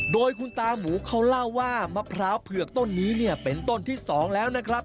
โดยคุณตาหมูเขาเล่าว่ามะพร้าวเผือกต้นนี้เนี่ยเป็นต้นที่๒แล้วนะครับ